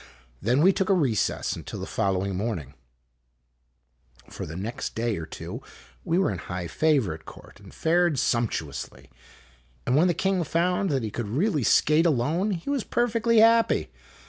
Then we took a recess until the following morning. IMAGINOTIONS For the next day or two we were in high favor at court and fared sumptuously ; and when the king found that he could really skate alone he was perfectly happy.